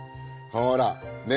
ほらね